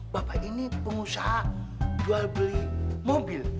bapak ini pengusaha jual beli mobil